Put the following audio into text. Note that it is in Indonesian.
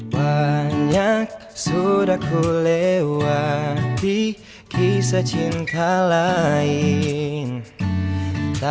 pada saat berapa